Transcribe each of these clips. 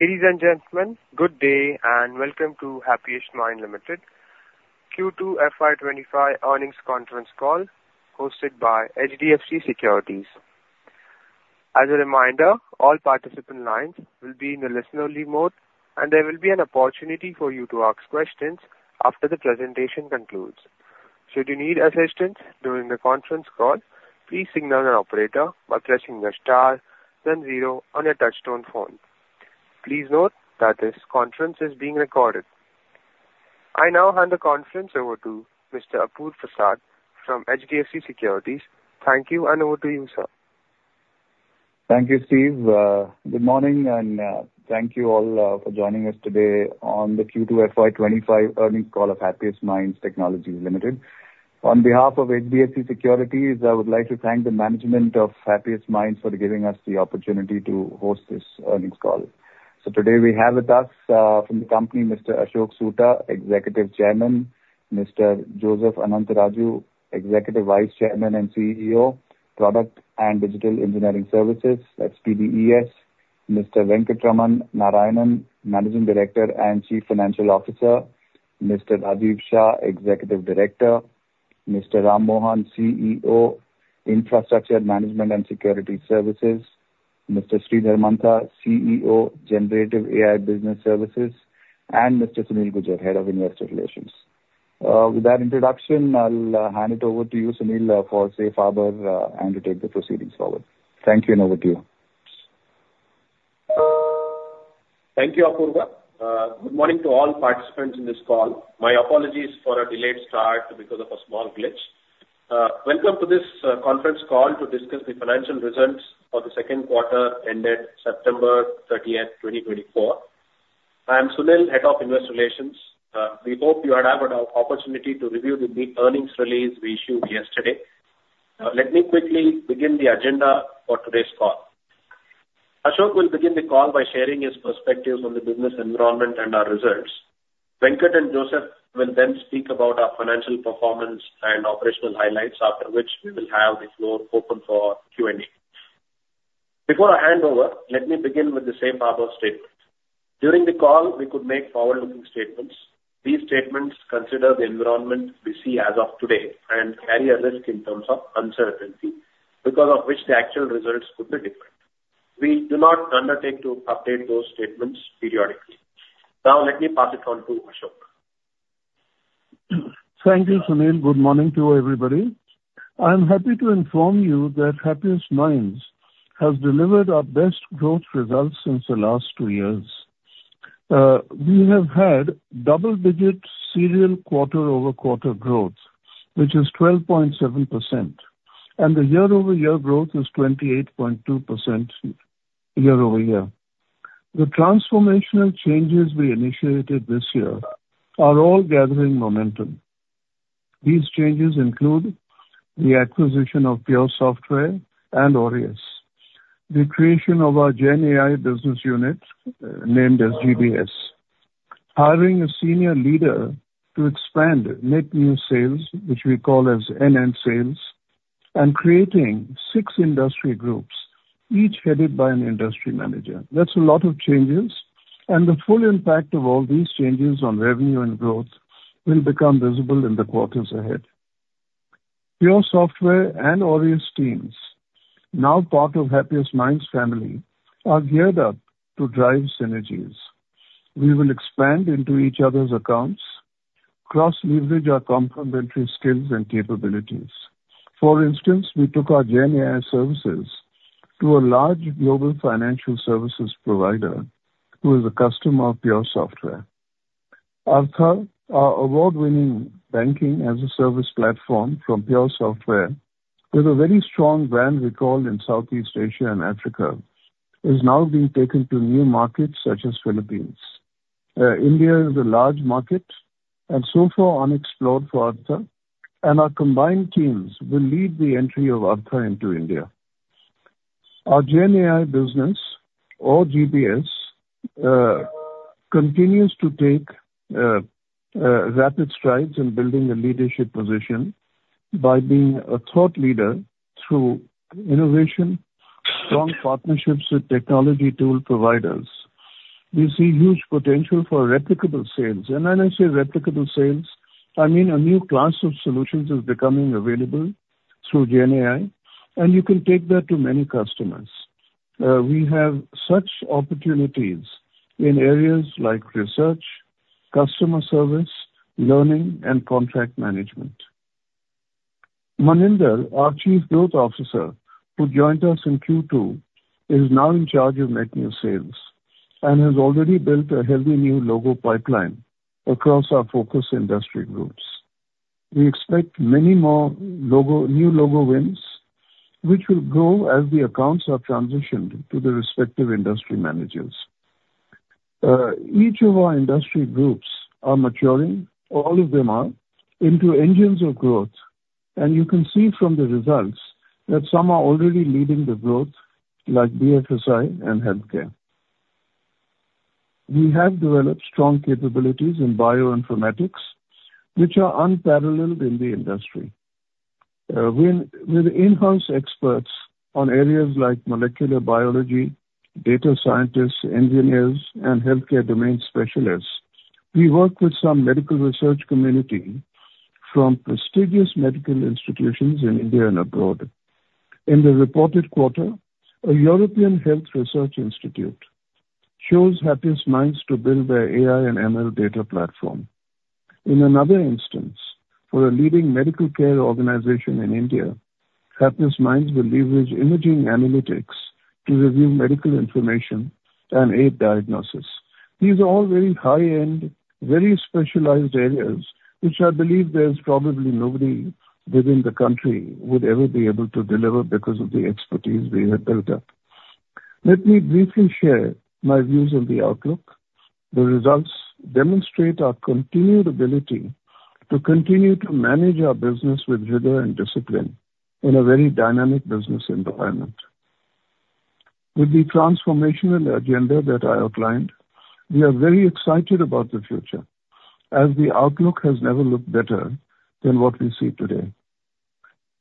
Ladies and gentlemen, good day and welcome to Happiest Minds Limited, Q2 FY 2025 earnings conference call hosted by HDFC Securities. As a reminder, all participant lines will be in a listen-only mode, and there will be an opportunity for you to ask questions after the presentation concludes. Should you need assistance during the conference call, please signal the operator by pressing the star then zero on your touch-tone phone. Please note that this conference is being recorded. I now hand the conference over to Mr. Apurva Prasad from HDFC Securities. Thank you, and over to you, sir. Thank you, Steve. Good morning, and thank you all for joining us today on the Q2 FY 2025 earnings call of Happiest Minds Technologies Limited. On behalf of HDFC Securities, I would like to thank the management of Happiest Minds for giving us the opportunity to host this earnings call. So today we have with us from the company, Mr. Ashok Soota, Executive Chairman, Mr. Joseph Anantharaju, Executive Vice Chairman and CEO, Product and Digital Engineering Services, PDES, Mr. Venkatraman Narayanan, Managing Director and Chief Financial Officer, Mr. Rajiv Shah, Executive Director, Mr. Ram Mohan, CEO, Infrastructure Management and Security Services, Mr. Sridhar Mantha, CEO, Generative AI Business Services, and Mr. Sunil Gujjar, Head of Investor Relations. With that introduction, I'll hand it over to you, Sunil, for a safe harbor and to take the proceedings forward. Thank you, and over to you. Thank you, Apurva. Good morning to all participants in this call. My apologies for a delayed start because of a small glitch. Welcome to this conference call to discuss the financial results for the second quarter ended September 30th, 2024. I am Sunil, Head of Investor Relations. We hope you have had an opportunity to review the earnings release we issued yesterday. Let me quickly begin the agenda for today's call. Ashok will begin the call by sharing his perspectives on the business environment and our results. Venkat and Joseph will then speak about our financial performance and operational highlights, after which we will have the floor open for Q&A. Before I hand over, let me begin with the safe harbor statement. During the call, we could make forward-looking statements. These statements consider the environment we see as of today and carry a risk in terms of uncertainty, because of which the actual results could be different. We do not undertake to update those statements periodically. Now, let me pass it on to Ashok. Thank you, Sunil. Good morning to everybody. I'm happy to inform you that Happiest Minds has delivered our best growth results since the last two years. We have had double-digit serial quarter-over-quarter growth, which is 12.7%, and the year-over-year growth is 28.2% year-over-year. The transformational changes we initiated this year are all gathering momentum. These changes include the acquisition of PureSoftware and Aureus, the creation of our Gen AI business unit named as GBS, hiring a senior leader to expand net new sales, which we call as NN sales, and creating six industry groups, each headed by an industry manager. That's a lot of changes, and the full impact of all these changes on revenue and growth will become visible in the quarters ahead. PureSoftware and Aureus teams, now part of Happiest Minds family, are geared up to drive synergies. We will expand into each other's accounts, cross-leverage our complementary skills and capabilities. For instance, we took our Gen AI services to a large global financial services provider who is a customer of PureSoftware. Our award-winning banking-as-a-service platform from PureSoftware, with a very strong brand recall in Southeast Asia and Africa, is now being taken to new markets such as the Philippines. India is a large market and so far unexplored for Arttha, and our combined teams will lead the entry of Arttha into India. Our Gen AI business, or GBS, continues to take rapid strides in building a leadership position by being a thought leader through innovation, strong partnerships with technology tool providers. We see huge potential for replicable sales, and when I say replicable sales, I mean a new class of solutions is becoming available through Gen AI, and you can take that to many customers. We have such opportunities in areas like research, customer service, learning, and contract management. Maninder, our Chief Growth Officer, who joined us in Q2, is now in charge of net new sales and has already built a healthy new logo pipeline across our focus industry groups. We expect many more new logo wins, which will grow as the accounts are transitioned to the respective industry managers. Each of our industry groups are maturing, all of them are, into engines of growth, and you can see from the results that some are already leading the growth, like BFSI and healthcare. We have developed strong capabilities in bioinformatics, which are unparalleled in the industry. With in-house experts on areas like molecular biology, data scientists, engineers, and healthcare domain specialists, we work with some medical research community from prestigious medical institutions in India and abroad. In the reported quarter, a European health research institute chose Happiest Minds to build their AI and ML data platform. In another instance, for a leading medical care organization in India, Happiest Minds will leverage imaging analytics to review medical information and aid diagnosis. These are all very high-end, very specialized areas, which I believe there's probably nobody within the country who would ever be able to deliver because of the expertise we have built up. Let me briefly share my views on the outlook. The results demonstrate our continued ability to continue to manage our business with rigor and discipline in a very dynamic business environment. With the transformational agenda that I outlined, we are very excited about the future, as the outlook has never looked better than what we see today.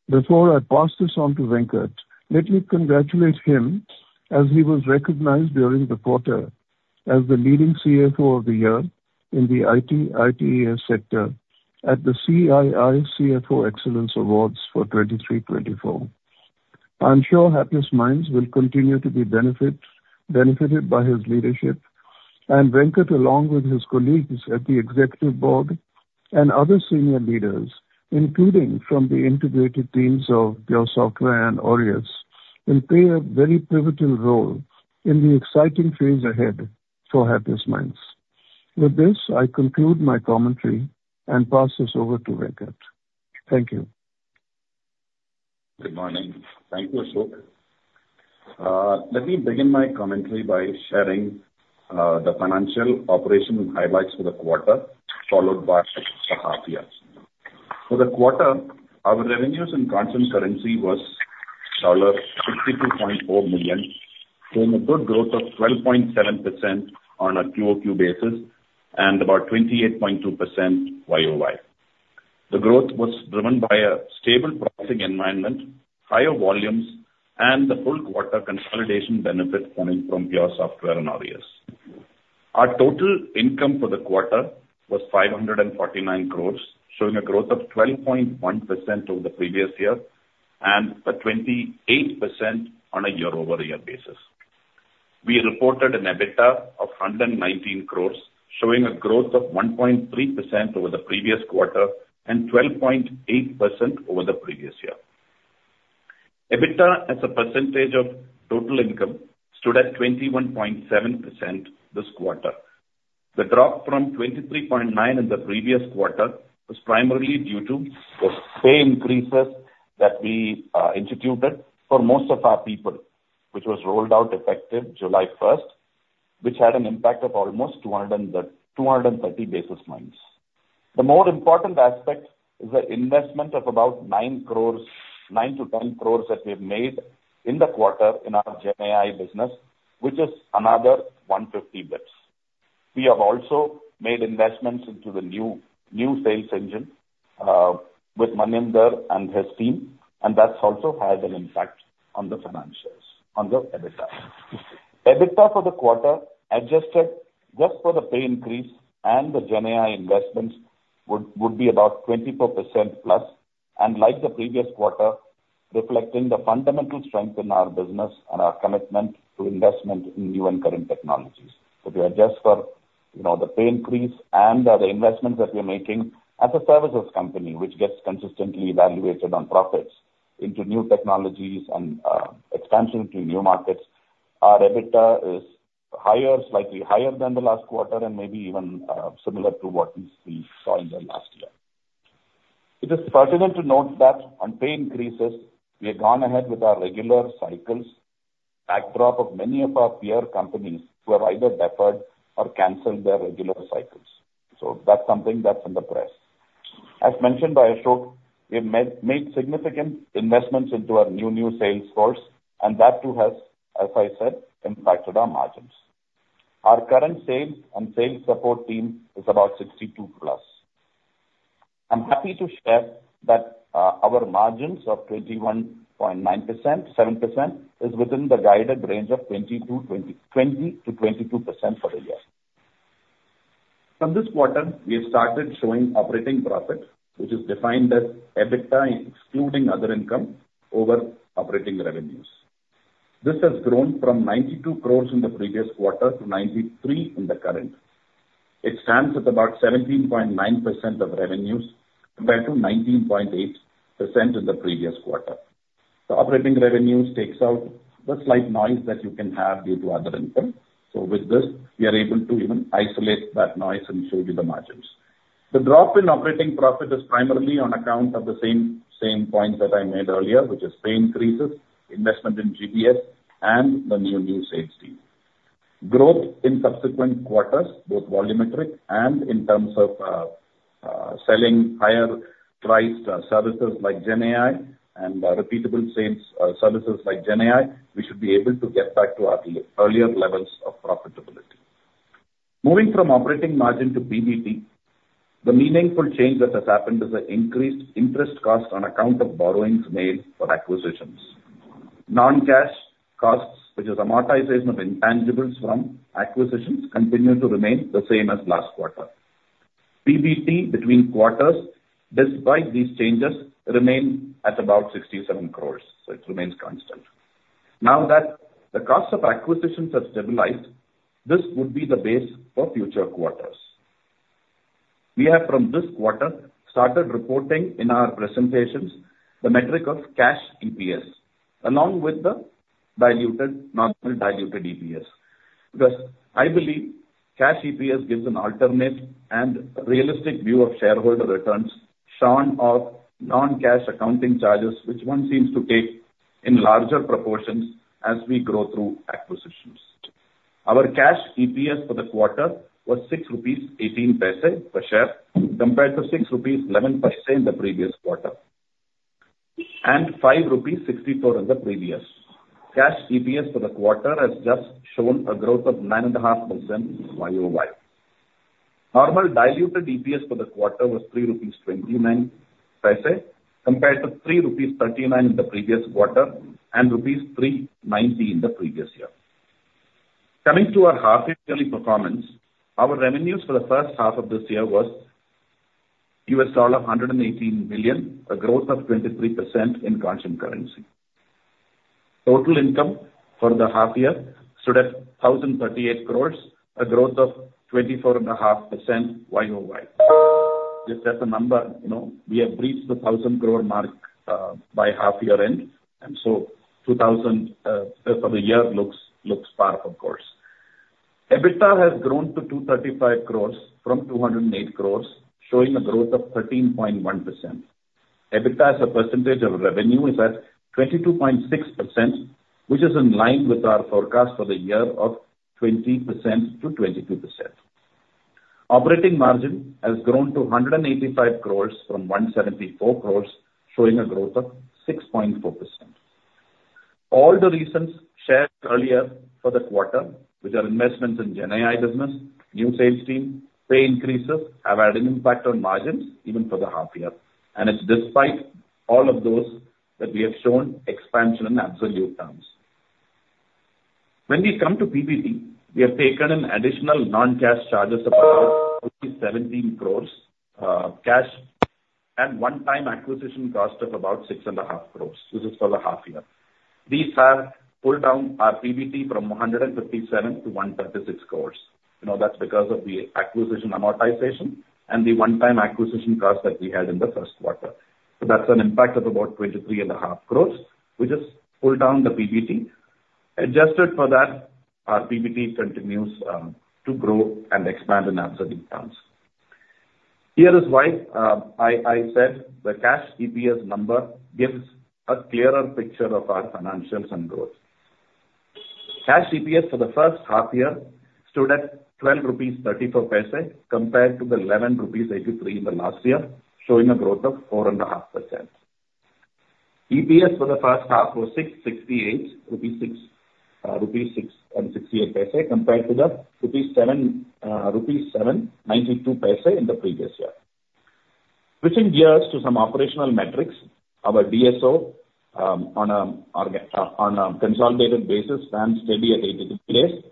Before I pass this on to Venkat, let me congratulate him, as he was recognized during the quarter as the leading CFO of the year in the IT, ITeS sector at the CII CFO Excellence Awards for 2023-2024. I'm sure Happiest Minds will continue to be benefited by his leadership, and Venkat, along with his colleagues at the executive board and other senior leaders, including from the integrated teams of PureSoftware and Aureus, will play a very pivotal role in the exciting phase ahead for Happiest Minds. With this, I conclude my commentary and pass this over to Venkat. Thank you. Good morning. Thank you, Ashok. Let me begin my commentary by sharing the financial and operational highlights for the quarter, followed by the half-year. For the quarter, our revenues in constant currency was $62.4 million, showing a good growth of 12.7% on a QoQ basis and about 28.2% YoY. The growth was driven by a stable pricing environment, higher volumes, and the full quarter consolidation benefits coming from PureSoftware and Aureus. Our total income for the quarter was 549 crores, showing a growth of 12.1% over the previous quarter and 28% on a year-over-year basis. We reported an EBITDA of 119 crores, showing a growth of 1.3% over the previous quarter and 12.8% over the previous year. EBITDA, as a percentage of total income, stood at 21.7% this quarter. The drop from 23.9% in the previous quarter was primarily due to pay increases that we instituted for most of our people, which was rolled out effective July 1st, which had an impact of almost 230 basis points. The more important aspect is the investment of about 9-10 crores that we have made in the quarter in our Gen AI business, which is another 150 basis points. We have also made investments into the new sales engine with Maninder and his team, and that's also had an impact on the financials, on the EBITDA. EBITDA for the quarter adjusted just for the pay increase, and the Gen AI investments would be about 24%+, and like the previous quarter, reflecting the fundamental strength in our business and our commitment to investment in new and current technologies. If you adjust for the pay increase and the investments that we are making as a services company, which gets consistently evaluated on profits into new technologies and expansion to new markets, our EBITDA is slightly higher than the last quarter and maybe even similar to what we saw in the last year. It is pertinent to note that on pay increases, we have gone ahead with our regular cycles, backdrop of many of our peer companies who have either deferred or canceled their regular cycles. So that's something that's in the press. As mentioned by Ashok, we have made significant investments into our new sales force, and that too has, as I said, impacted our margins. Our current sales and sales support team is about 62+. I'm happy to share that our margins of 21.9%, 7%, is within the guided range of 20%-22% for the year. From this quarter, we have started showing operating profit, which is defined as EBITDA excluding other income, over operating revenues. This has grown from 92 crores in the previous quarter to 93 crores in the current. It stands at about 17.9% of revenues compared to 19.8% in the previous quarter. The operating revenues take out the slight noise that you can have due to other income. So with this, we are able to even isolate that noise and show you the margins. The drop in operating profit is primarily on account of the same points that I made earlier, which is pay increases, investment in GBS, and the new sales team. Growth in subsequent quarters, both volumetric and in terms of selling higher-priced services like Gen AI and repeatable sales services like Gen AI, we should be able to get back to our earlier levels of profitability. Moving from operating margin to PBT, the meaningful change that has happened is the increased interest cost on account of borrowings made for acquisitions. Non-cash costs, which is amortization of intangibles from acquisitions, continue to remain the same as last quarter. PBT between quarters, despite these changes, remains at about 67 crores, so it remains constant. Now that the costs of acquisitions have stabilized, this would be the base for future quarters. We have, from this quarter, started reporting in our presentations the metric of cash EPS, along with the normally diluted EPS, because I believe cash EPS gives an alternate and realistic view of shareholder returns shorn off non-cash accounting charges, which one seems to take in larger proportions as we grow through acquisitions. Our cash EPS for the quarter was 6.18 rupees per share compared to 6.11 rupees in the previous quarter and 5.64 rupees in the previous. Cash EPS for the quarter has just shown a growth of 9.5% YoY. Normal diluted EPS for the quarter was 3.29 rupees compared to 3.39 rupees in the previous quarter and rupees 3.90 in the previous year. Coming to our half-yearly performance, our revenues for the first half of this year was $118 million, a growth of 23% in constant currency. Total income for the half-year stood at 1,038 crores, a growth of 24.5% YoY. Just as a number, we have reached the 1,000 crore mark by half-year end, and so 2,000 for the year looks par, of course. EBITDA has grown to 235 crores from 208 crores, showing a growth of 13.1%. EBITDA as a percentage of revenue is at 22.6%, which is in line with our forecast for the year of 20%-22%. Operating margin has grown to 185 crores from 174 crores, showing a growth of 6.4%. All the reasons shared earlier for the quarter, which are investments in Gen AI business, new sales team, pay increases, have had an impact on margins even for the half-year, and it's despite all of those that we have shown expansion in absolute terms. When we come to PBT, we have taken an additional non-cash charges of about 17 crores cash and one-time acquisition cost of about 6.5 crores, which is for the half-year. These have pulled down our PBT from 157 crores to 136 crores. That's because of the acquisition amortization and the one-time acquisition cost that we had in the first quarter. So that's an impact of about 23.5 crores, which has pulled down the PBT. Adjusted for that, our PBT continues to grow and expand in absolute terms. Here is why I said the cash EPS number gives a clearer picture of our financials and growth. Cash EPS for the first half-year stood at 12.34 rupees compared to the 11.83 rupees in the last year, showing a growth of 4.5%. EPS for the first half was 6.68 rupees compared to the 7.92 rupees in the previous year. Switching gears to some operational metrics, our DSO on a consolidated basis stands steady at 83 days.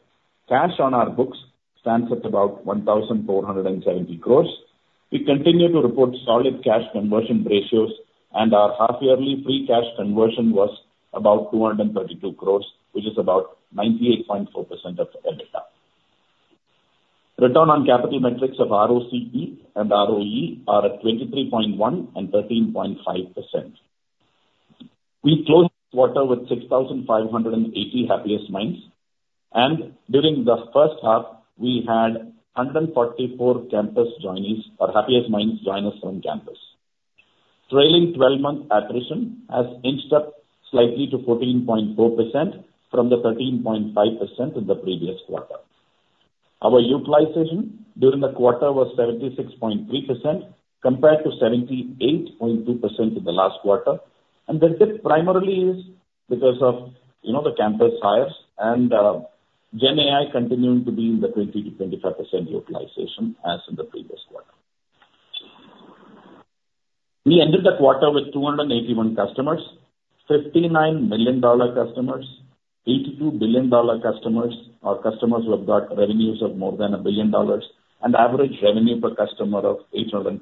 Cash on our books stands at about 1,470 crores. We continue to report solid cash conversion ratios, and our half-yearly free cash conversion was about 232 crores, which is about 98.4% of EBITDA. Return on capital metrics of ROCE and ROE are at 23.1% and 13.5%. We closed the quarter with 6,580 Happiest Minds, and during the first half, we had 144 campus joinees or Happiest Minds join us on campus. Trailing 12-month attrition has inched up slightly to 14.4% from the 13.5% in the previous quarter. Our utilization during the quarter was 76.3% compared to 78.2% in the last quarter, and the dip primarily is because of the campus hires and Gen AI continuing to be in the 20%-25% utilization as in the previous quarter. We ended the quarter with 281 customers, $59 million customers, $82 billion customers, or customers who have got revenues of more than a billion dollars, and average revenue per customer of $842,000.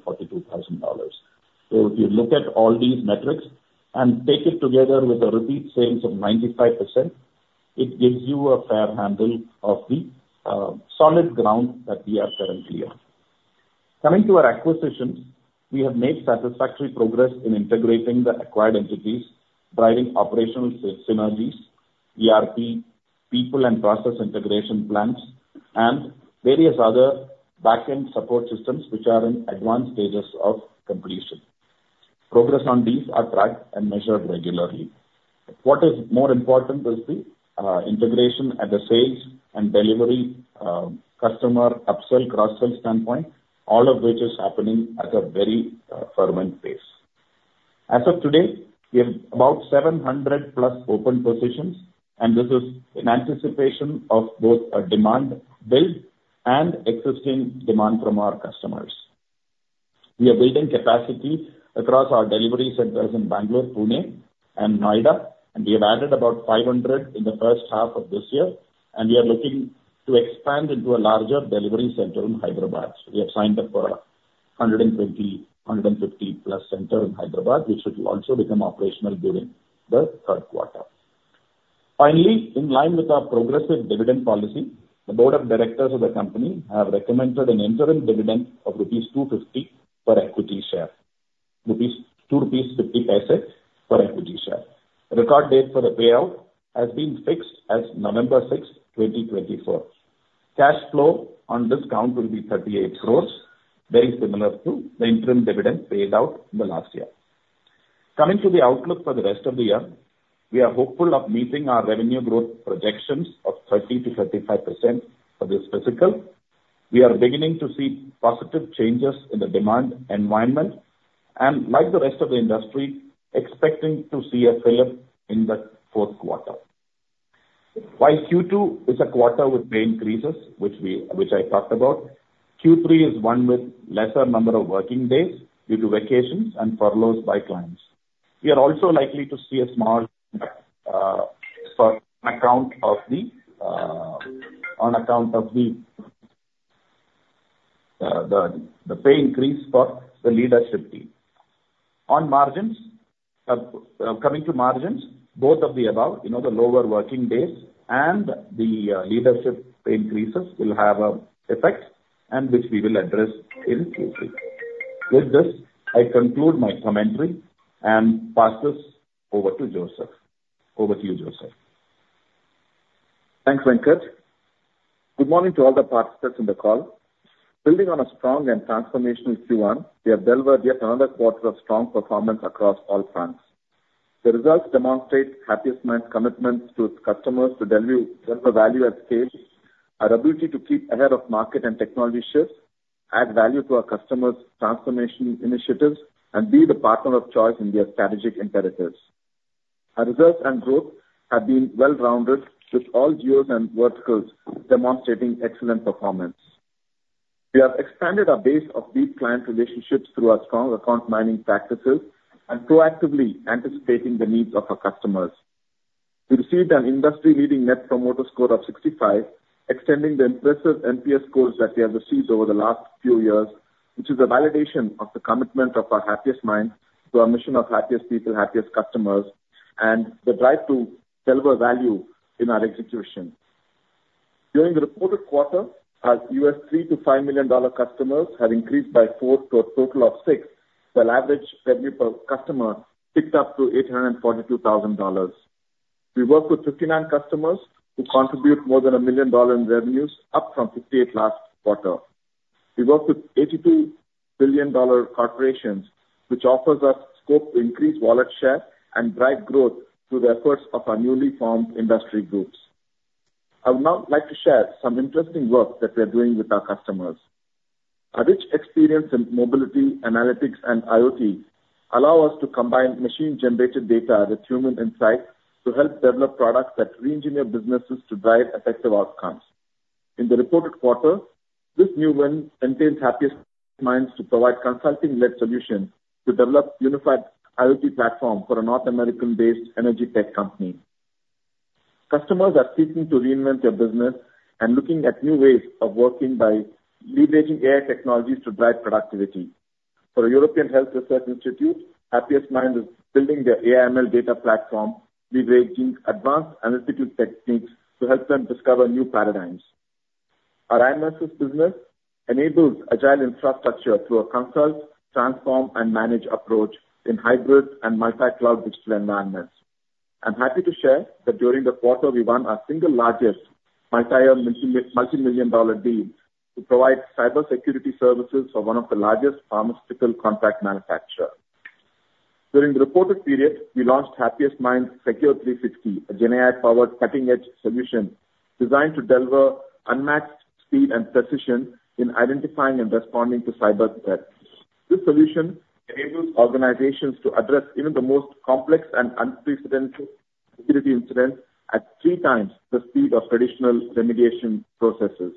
So if you look at all these metrics and take it together with a repeat sales of 95%, it gives you a fair handle of the solid ground that we are currently on. Coming to our acquisitions, we have made satisfactory progress in integrating the acquired entities, driving operational synergies, ERP, people and process integration plans, and various other back-end support systems, which are in advanced stages of completion. Progress on these are tracked and measured regularly. What is more important is the integration at the sales and delivery customer upsell cross-sell standpoint, all of which is happening at a very fervent pace. As of today, we have about 700+ open positions, and this is in anticipation of both a demand build and existing demand from our customers. We are building capacity across our delivery centers in Bangalore, Pune, and Noida, and we have added about 500 in the first half of this year, and we are looking to expand into a larger delivery center in Hyderabad. We have signed up for a 120-150+ center in Hyderabad, which should also become operational during the third quarter. Finally, in line with our progressive dividend policy, the Board of Directors of the company have recommended an interim dividend of rupees 250 per equity share, 250 rupees per equity share. The record date for the payout has been fixed as November 6, 2024. The cash dividend will be 38 crores, very similar to the interim dividend paid out in the last year. Coming to the outlook for the rest of the year, we are hopeful of meeting our revenue growth projections of 30%-35% for this fiscal. We are beginning to see positive changes in the demand environment, and like the rest of the industry, expecting to see a fill up in the fourth quarter. While Q2 is a quarter with pay increases, which I talked about, Q3 is one with lesser number of working days due to vacations and furloughs by clients. We are also likely to see a small amount of the pay increase for the leadership team. Coming to margins, both of the above, the lower working days and the leadership pay increases will have an effect, which we will address in Q3. With this, I conclude my commentary and pass this over to Joseph. Over to you, Joseph. Thanks, Venkat. Good morning to all the participants in the call. Building on a strong and transformational Q1, we have delivered yet another quarter of strong performance across all fronts. The results demonstrate Happiest Minds' commitment to customers, to deliver value at scale, our ability to keep ahead of market and technology shifts, add value to our customers' transformation initiatives, and be the partner of choice in their strategic imperatives. Our results and growth have been well-rounded, with all geos and verticals demonstrating excellent performance. We have expanded our base of deep client relationships through our strong account mining practices and proactively anticipating the needs of our customers. We received an industry-leading net promoter score of 65, extending the impressive NPS scores that we have received over the last few years, which is a validation of the commitment of our Happiest Minds to our mission of happiest people, happiest customers, and the drive to deliver value in our execution. During the reported quarter, our $3 million-$5 million customers have increased by four to a total of six, while average revenue per customer ticked up to $842,000. We work with 59 customers who contribute more than $1 million in revenues, up from 58 last quarter. We work with $82 billion corporations, which offers us scope to increase wallet share and drive growth through the efforts of our newly formed industry groups. I would now like to share some interesting work that we are doing with our customers. Our rich experience in mobility analytics and IoT allows us to combine machine-generated data with human insight to help develop products that re-engineer businesses to drive effective outcomes. In the reported quarter, this new win entails Happiest Minds to provide consulting-led solutions to develop a unified IoT platform for a North American-based energy tech company. Customers are seeking to reinvent their business and looking at new ways of working by leveraging AI technologies to drive productivity. For a European Health Research Institute, Happiest Minds is building their AI/ML data platform, leveraging advanced analytical techniques to help them discover new paradigms. Our IMSS business enables agile infrastructure through a consult, transform, and manage approach in hybrid and multi-cloud digital environments. I'm happy to share that during the quarter, we won our single largest multi-million-dollar deal to provide cybersecurity services for one of the largest pharmaceutical contract manufacturers. During the reported period, we launched Happiest Minds Secure360, a Gen AI-powered cutting-edge solution designed to deliver unmatched speed and precision in identifying and responding to cyber threats. This solution enables organizations to address even the most complex and unprecedented security incidents at 3x the speed of traditional remediation processes.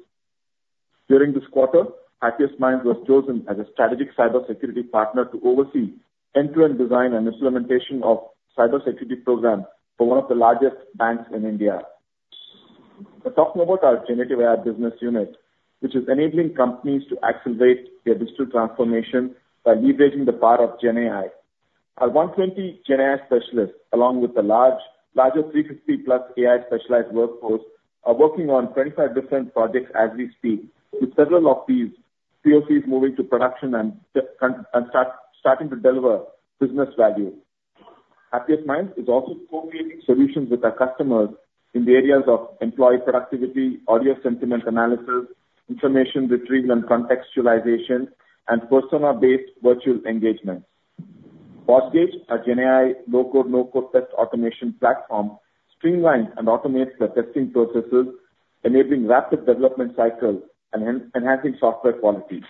During this quarter, Happiest Minds was chosen as a strategic cybersecurity partner to oversee end-to-end design and implementation of cybersecurity programs for one of the largest banks in India. We're talking about our generative AI business unit, which is enabling companies to accelerate their digital transformation by leveraging the power of Gen AI. Our 120 Gen AI specialists, along with the larger 350+ AI specialized workforce, are working on 25 different projects as we speak, with several of these POCs moving to production and starting to deliver business value. Happiest Minds is also co-creating solutions with our customers in the areas of employee productivity, audio sentiment analysis, information retrieval and contextualization, and persona-based virtual engagements. Botgage, our Gen AI low-code, no-code test automation platform, streamlines and automates the testing processes, enabling rapid development cycles and enhancing software quality.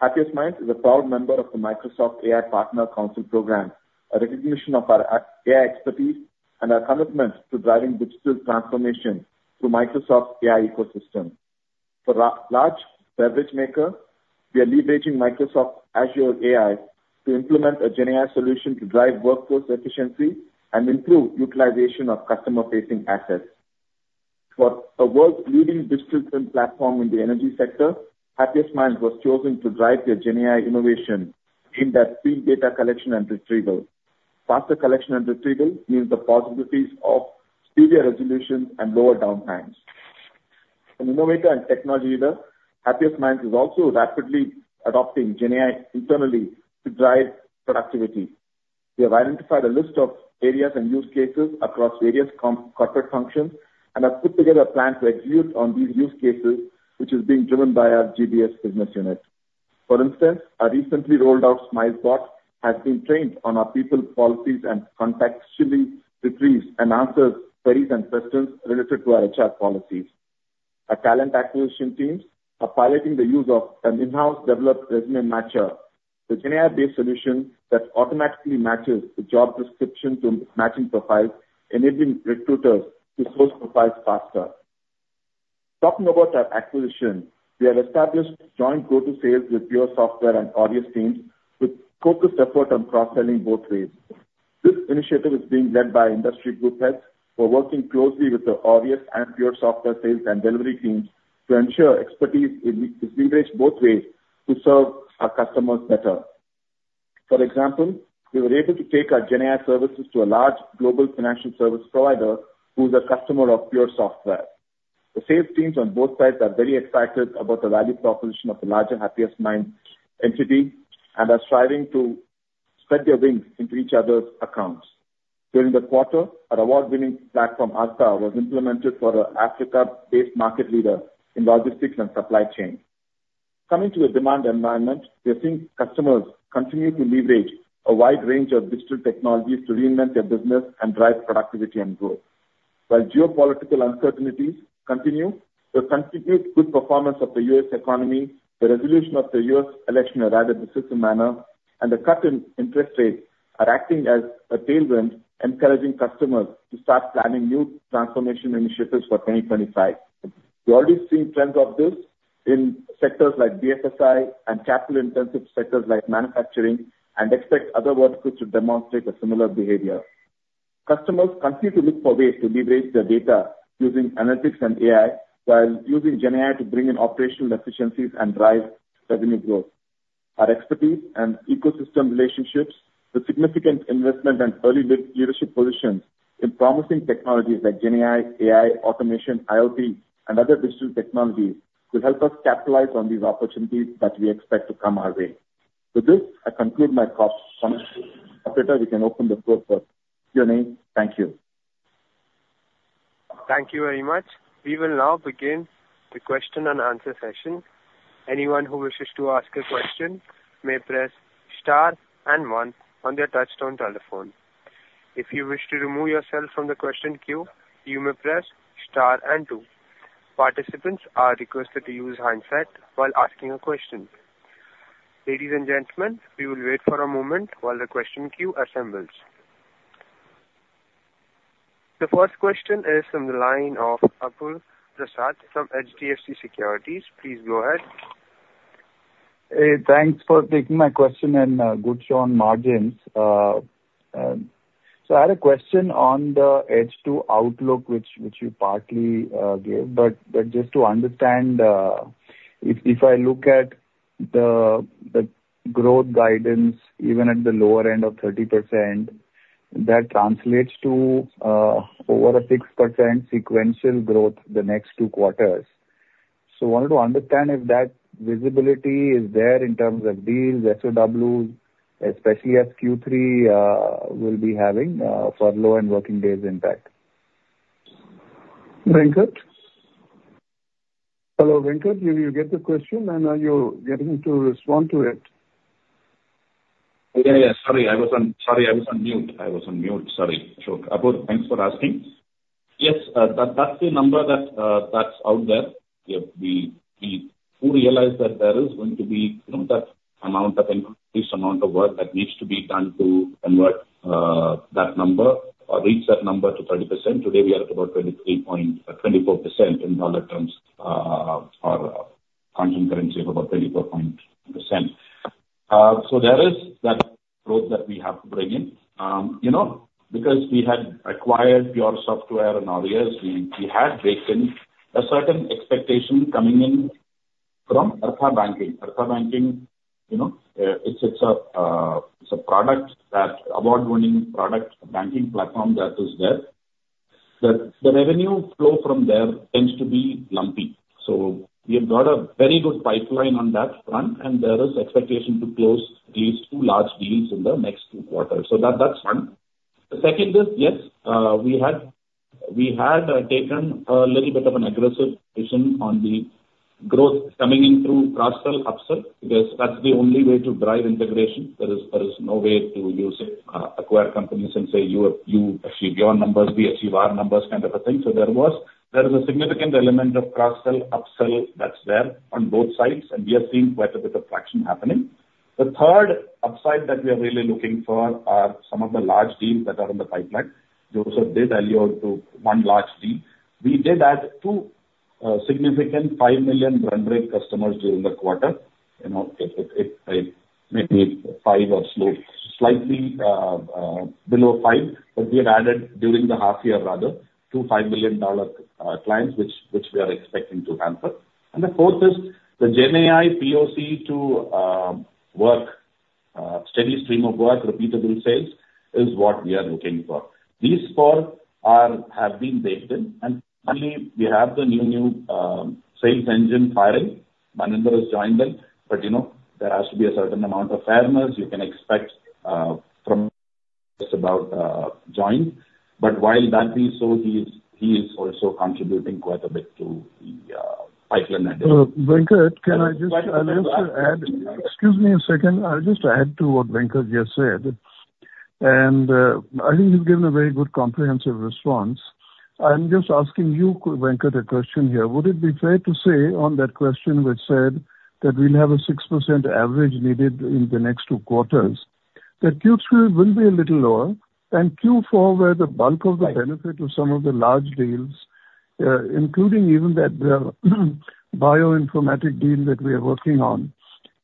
Happiest Minds is a proud member of the Microsoft AI Partner Council program, a recognition of our AI expertise and our commitment to driving digital transformation through Microsoft's AI ecosystem. For large beverage makers, we are leveraging Microsoft Azure AI to implement a Gen AI solution to drive workforce efficiency and improve utilization of customer-facing assets. For a world-leading digital twin platform in the energy sector, Happiest Minds was chosen to drive their Gen AI innovation aimed at speedy data collection and retrieval. Faster collection and retrieval means the possibilities of speedier resolution and lower downtimes. An innovator and technology leader, Happiest Minds is also rapidly adopting Gen AI internally to drive productivity. We have identified a list of areas and use cases across various corporate functions and have put together a plan to execute on these use cases, which is being driven by our GBS business unit. For instance, our recently rolled-out Smiles Bot has been trained on our people, policies, and contextually retrieves and answers queries and questions related to our HR policies. Our talent acquisition teams are piloting the use of an in-house developed Resume Matcher, the Gen AI-based solution that automatically matches the job description to matching profiles, enabling recruiters to source profiles faster. Talking about our acquisition, we have established joint go-to sales with PureSoftware and Aureus teams, with focused effort on cross-selling both ways. This initiative is being led by industry group heads who are working closely with the Aureus and PureSoftware sales and delivery teams to ensure expertise is leveraged both ways to serve our customers better. For example, we were able to take our Gen AI services to a large global financial service provider who is a customer of PureSoftware. The sales teams on both sides are very excited about the value proposition of the larger Happiest Minds entity and are striving to spread their wings into each other's accounts. During the quarter, our award-winning platform, Arttha, was implemented for an Africa-based market leader in logistics and supply chain. Coming to the demand environment, we are seeing customers continue to leverage a wide range of digital technologies to reinvent their business and drive productivity and growth. While geopolitical uncertainties continue, the continued good performance of the U.S. economy, the resolution of the U.S. election arrived at a decisive manner, and the cut in interest rates are acting as a tailwind, encouraging customers to start planning new transformation initiatives for 2025. We're already seeing trends of this in sectors like BFSI and capital-intensive sectors like manufacturing, and expect other verticals to demonstrate a similar behavior. Customers continue to look for ways to leverage their data using analytics and AI, while using Gen AI to bring in operational efficiencies and drive revenue growth. Our expertise and ecosystem relationships, with significant investment and early leadership positions in promising technologies like Gen AI, AI automation, IoT, and other digital technologies, will help us capitalize on these opportunities that we expect to come our way. With this, I conclude my comments. Venkat, we can open the floor for Q&A. Thank you. Thank you very much. We will now begin the question and answer session. Anyone who wishes to ask a question may press star and one on their touch-tone telephone. If you wish to remove yourself from the question queue, you may press star and two. Participants are requested to use the handset while asking a question. Ladies and gentlemen, we will wait for a moment while the question queue assembles. The first question is from the line of Apurva Prasad from HDFC Securities. Please go ahead. Hey, thanks for taking my question and good show on margins. So I had a question on the H2 outlook, which you partly gave, but just to understand, if I look at the growth guidance, even at the lower end of 30%, that translates to over a 6% sequential growth the next two quarters. So I wanted to understand if that visibility is there in terms of deals, SOWs, especially as Q3 will be having furlough and working days impact. Venkat? Hello, Venkat. Did you get the question, and are you getting to respond to it? Yeah, yeah. Sorry, I was on mute. I was on mute. Sorry. Sure. Apurva, thanks for asking. Yes, that's the number that's out there. We realize that there is going to be that amount of increase, amount of work that needs to be done to convert that number or reach that number to 30%. Today, we are at about 23.24% in dollar terms, our constant currency of about 24.2%. So there is that growth that we have to bring in. Because we had acquired PureSoftware and Aureus, we had baked in a certain expectation coming in from Arttha Banking. Arttha Banking, it's a product, that award-winning product, banking platform that is there. The revenue flow from there tends to be lumpy, so we have got a very good pipeline on that front, and there is expectation to close at least two large deals in the next two quarters. That's one. The second is, yes, we had taken a little bit of an aggressive position on the growth coming in through cross-sell and upsell because that's the only way to drive integration. There is no way to acquire companies and say, "You achieve your numbers, we achieve our numbers," kind of a thing. So there is a significant element of cross-sell and upsell that's there on both sides, and we are seeing quite a bit of traction happening. The third upside that we are really looking for are some of the large deals that are in the pipeline. Joseph did allude to one large deal. We did add two significant $5 million run rate customers during the quarter. It may be five or slightly below five, but we have added, during the half year rather, two $5 million clients, which we are expecting to handle, and the fourth is the Gen AI POC to work, steady stream of work, repeatable sales is what we are looking for. These four have been baked in, and finally, we have the new sales engine firing. Maninder has joined them, but there has to be a certain amount of fairness you can expect from just about joined, but while that be so, he is also contributing quite a bit to the pipeline. And Venkat, can I just add? Excuse me a second. I'll just add to what Venkat just said, and I think you've given a very good comprehensive response. I'm just asking you, Venkat, a question here. Would it be fair to say on that question which said that we'll have a 6% average needed in the next two quarters, that Q3 will be a little lower and Q4, where the bulk of the benefit of some of the large deals, including even that bioinformatics deal that we are working on,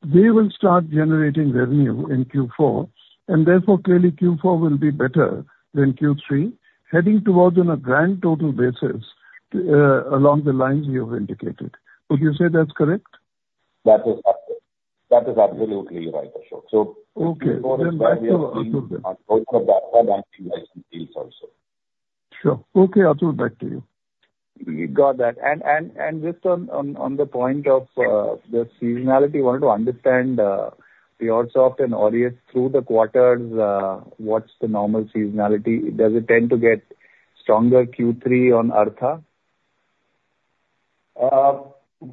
they will start generating revenue in Q4, and therefore, clearly, Q4 will be better than Q3, heading towards on a grand total basis along the lines you've indicated. Would you say that's correct? That is absolutely right, Ashok. So Q4 is where we are looking at both of the Arttha Banking license deals also. Sure. Okay, I'll turn it back to you. We got that. And just on the point of the seasonality, I wanted to understand PureSoftware and Aureus through the quarters, what's the normal seasonality? Does it tend to get stronger in Q3 on Arttha?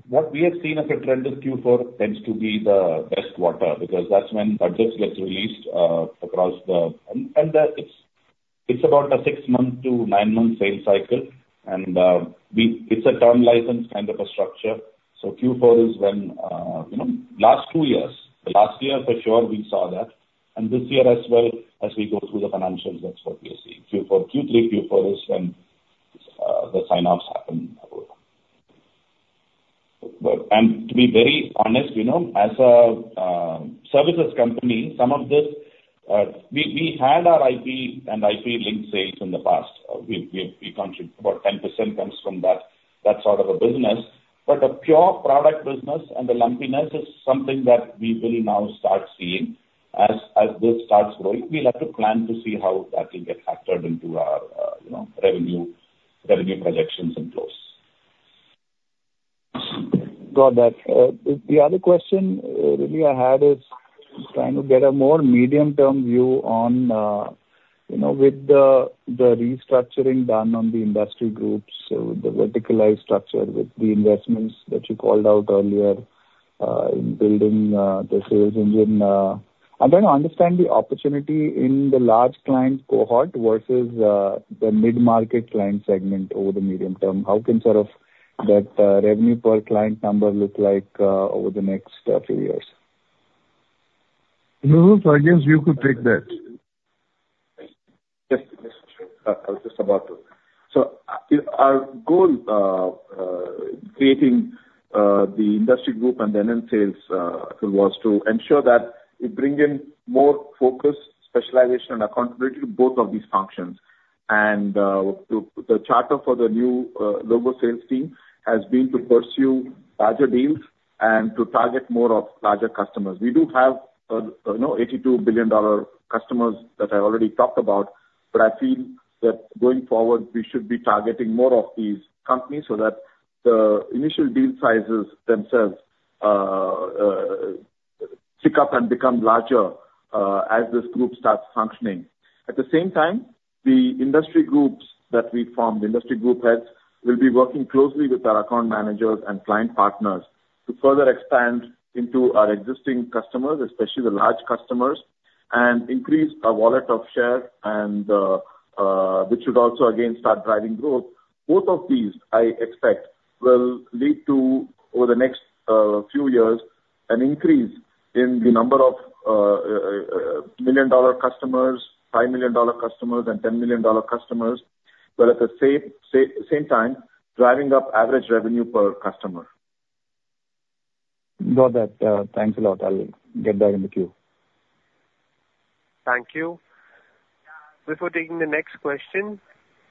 What we have seen as a trend is Q4 tends to be the best quarter because that's when budgets get released across the... It is about a six-month to nine-month sales cycle, and it is a term license kind of a structure. Q4 is when [it happens] last two years. Last year, for sure, we saw that. This year, as well as we go through the financials, that is what we are seeing. Q3, Q4 is when the sign-offs happen. To be very honest, as a services company, some of this, we had our IP and IP-linked sales in the past. About 10% comes from that sort of a business. The pure product business and the lumpiness is something that we will now start seeing as this starts growing. We'll have to plan to see how that can get factored into our revenue projections and flows. Got that. The other question really I had is trying to get a more medium-term view on with the restructuring done on the industry groups, the verticalized structure with the investments that you called out earlier in building the sales engine. I'm trying to understand the opportunity in the large client cohort versus the mid-market client segment over the medium term. How can sort of that revenue per client number look like over the next few years? Joseph, I guess you could take that. Yes, yes, sure. I was just about to. So our goal in creating the industry group and then in sales was to ensure that we bring in more focus, specialization, and accountability to both of these functions. And the charter for the new logo sales team has been to pursue larger deals and to target more of larger customers. We do have $82 billion customers that I already talked about, but I feel that going forward, we should be targeting more of these companies so that the initial deal sizes themselves pick up and become larger as this group starts functioning. At the same time, the industry groups that we form, the industry group heads, will be working closely with our account managers and client partners to further expand into our existing customers, especially the large customers, and increase our wallet of share, which should also, again, start driving growth. Both of these, I expect, will lead to, over the next few years, an increase in the number of million-dollar customers, $5 million customers, and $10 million customers, but at the same time, driving up average revenue per customer. Got that. Thanks a lot. I'll get that in the queue. Thank you. Before taking the next question,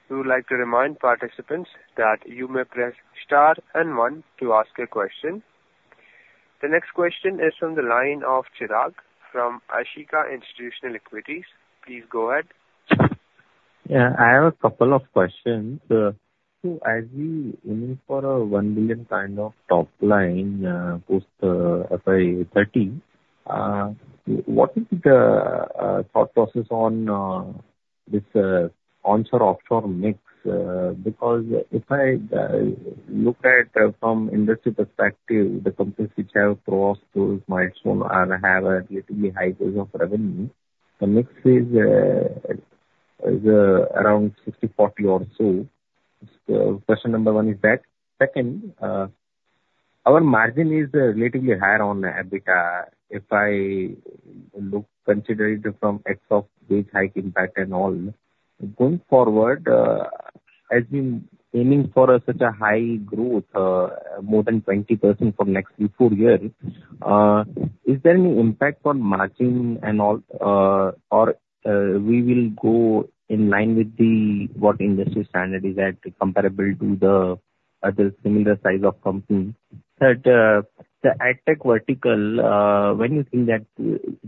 we would like to remind participants that you may press star and one to ask a question. The next question is from the line of Chirag from Ashika Institutional Equities. Please go ahead. Yeah, I have a couple of questions. So as we aim for a $1 billion kind of top line post FIA 30, what is the thought process on this onshore-offshore mix? Because if I look at it from an industry perspective, the companies which have crossed those milestones and have a relatively high base of revenue, the mix is around 60/40 or so. Question number one is that. Second, our margin is relatively higher on EBITDA if I consider it from effects of big hike impact and all. Going forward, as we're aiming for such a high growth, more than 20% for next four-year, is there any impact on margin and all, or we will go in line with what industry standard is at comparable to the other similar size of company? But the ad tech vertical, when you think that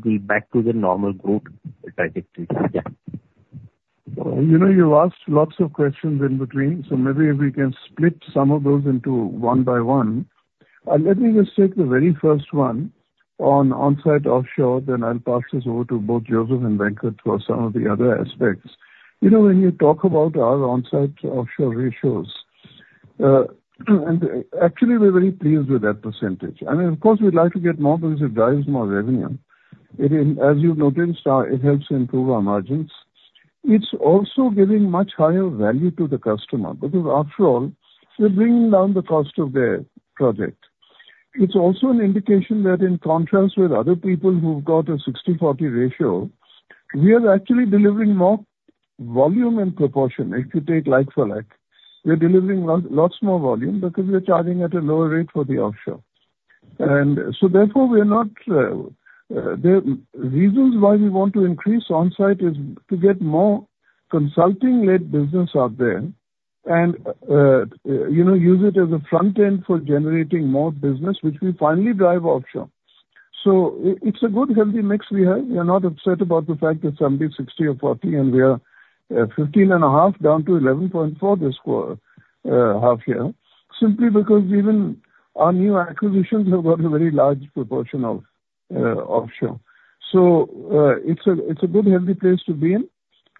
we're back to the normal growth trajectory, yeah. You've asked lots of questions in between, so maybe if we can split some of those into one by one. Let me just take the very first one on onsite-offshore, then I'll pass this over to both Joseph and Venkat for some of the other aspects. When you talk about our onsite-offshore ratios, actually, we're very pleased with that percentage. I mean, of course, we'd like to get more because it drives more revenue. As you've noted, it helps improve our margins. It's also giving much higher value to the customer because, after all, we're bringing down the cost of their project. It's also an indication that, in contrast with other people who've got a 60/40 ratio, we are actually delivering more volume and proportion. If you take like for like, we're delivering lots more volume because we're charging at a lower rate for the offshore. And so therefore, we're not. The reasons why we want to increase on-site is to get more consulting-led business out there and use it as a front-end for generating more business, which we finally drive offshore. So it's a good healthy mix we have. We're not upset about the fact that somebody's 60 or 40, and we are 15 and a half down to 11.4 this half-year simply because even our new acquisitions have got a very large proportion of offshore. So it's a good healthy place to be in.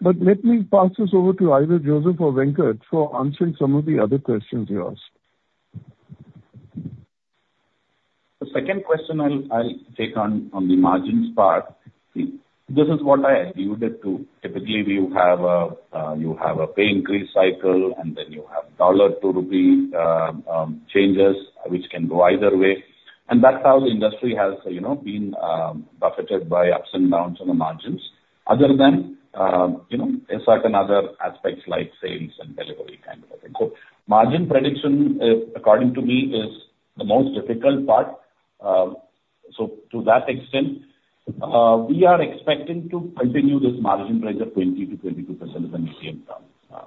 But let me pass this over to either Joseph or Venkat for answering some of the other questions you asked. The second question I'll take on the margins part. This is what I alluded to. Typically, you have a pay increase cycle, and then you have dollar-to-rupee changes, which can go either way. That's how the industry has been buffeted by ups and downs on the margins other than certain other aspects like sales and delivery kind of a thing. So margin prediction, according to me, is the most difficult part. So to that extent, we are expecting to continue this margin range of 20%-22% in the medium term.